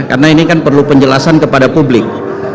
karena ini kan perlu penjelasan kepada publik